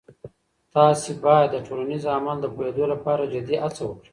تاسې باید د ټولنیز عمل د پوهیدو لپاره جدي هڅه وکړئ.